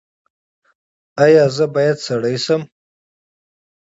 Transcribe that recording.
ایا زه باید سړی شم؟